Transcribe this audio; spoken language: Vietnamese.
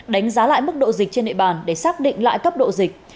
đánh giá lại mức độ dịch trên địa bàn để xác định lại cấp độ dịch